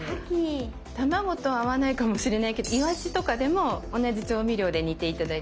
卵と合わないかもしれないけどいわしとかでも同じ調味料で煮て頂いてもいいです。